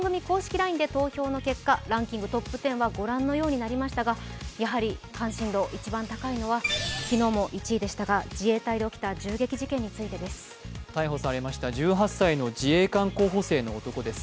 ＬＩＮＥで投票の結果、ランキングはご覧のようになりましたが、やはり関心度、一番高いのは昨日も１位でしたが、自衛隊で起きた銃撃事件についてです。逮捕されました１８歳の自衛官候補生の男です。